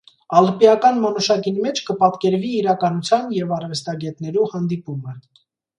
«Ալպիական մանուշակ»ին մէջ կը պատկերուի իրականութեան եւ արուեստագէտներու հանդիպումը։